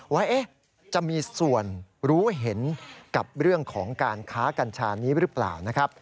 ว่าจะมีส่วนรู้เห็นกับเรื่องของการค้ากัญชานี้หรือเปล่านะครับ